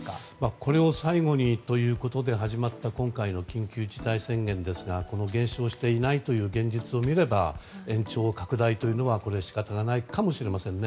これを最後にということで始まった今回の緊急事態宣言ですが減少していないという現実を見れば延長・拡大というのは仕方がないかもしれませんね。